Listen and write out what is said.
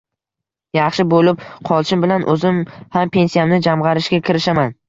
Yaxshi bo‘lib qolishim bilan o‘zim ham pensiyamni jamg‘arishga kirishaman